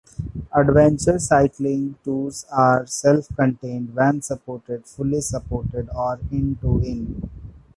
Adventure Cycling tours are self-contained, van-supported, fully supported, or inn-to-inn.